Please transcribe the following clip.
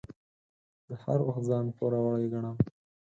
زه هر وخت ځان پوروړی ګڼم.